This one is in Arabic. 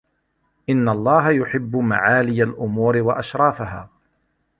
إنَّ اللَّهَ يُحِبُّ مَعَالِيَ الْأُمُورِ وَأَشْرَافَهَا